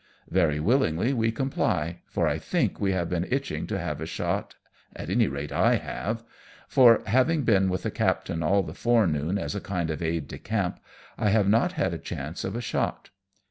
Very willingly we comply, for I think we have been itching to have a shot, at any rate I have ; for having been with the captain all the forenoon as a kind of aide de camp, I have not had a chance of a shot.